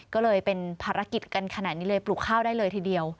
ก็เลยเป็นภารกิจกันขนาดนี้เลยปลูกข้าวได้เลยทีเดียว